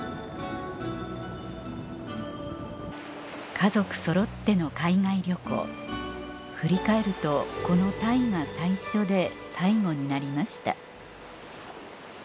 家族そろっての海外旅行振り返るとこのタイが最初で最後になりました